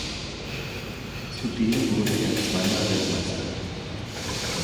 Zudem wurde er zweimal Weltmeister.